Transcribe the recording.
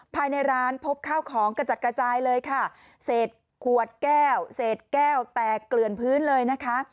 ภายในร้านพบข้าวของกระจัดกระจายเลยค่ะเศษขวดแก้วเศษแก้วแตกเกลือนพื้นเลยนะคะ